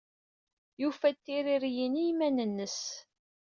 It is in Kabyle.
Yufa-d tiririyin i yiman-nnes.